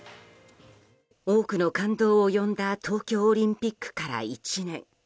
多くの感動を呼んだ東京オリンピックから１年。